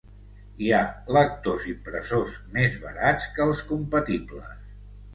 Hi ha lectors-impressors més barats que els compatibles.